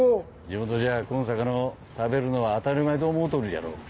地元じゃあこん魚を食べるのは当たり前と思うとるじゃろ。